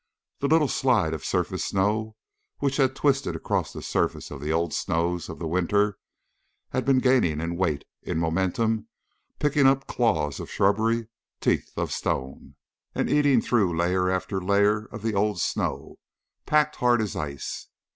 The little slide of surface snow, which had twisted across the surface of the old snows of the winter, had been gaining in weight, in momentum, picking up claws of shrubbery, teeth of stone, and eating through layer after layer of the old snow, packed hard as ice.